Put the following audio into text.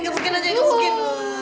gebukin aja gebukin